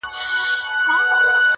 o که خس يم، د تا بس يم!